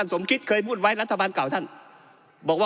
นั้นสมคิตเคยพูดไว้นะคะวันกล่าวนนท์